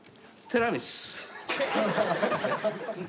ティラミス？